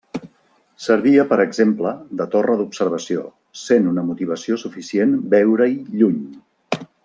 Servia per exemple, de torre d'observació, sent una motivació suficient veure-hi lluny.